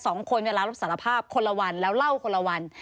สองคนเวลารับสารภาพคนละวันแล้วเล่าคนละวัน